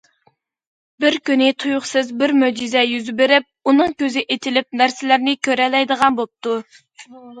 بىر كۈنى تۇيۇقسىز بىر مۆجىزە يۈز بېرىپ، ئۇنىڭ كۆزى ئېچىلىپ نەرسىلەرنى كۆرەلەيدىغان بوپتۇ.